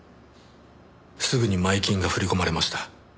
すぐに前金が振り込まれました。